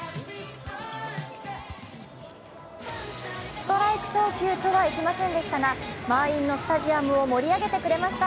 ストライク投球とはいきませんでしたが、満員のスタジアムを盛り上げてくれました。